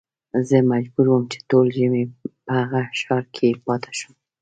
زه مجبور وم چې ټول ژمی په هغه ښار کې پاته شم.